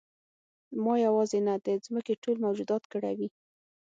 ما یوازې نه د ځمکې ټول موجودات کړوي.